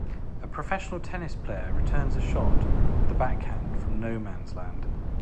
A professional tennis player returns a shot with a back hand from no man 's land.